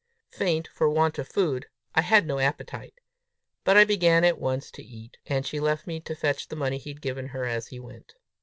Faint for want of food, I had no appetite. But I began at once to eat, and she left me to fetch the money he had given her as he went.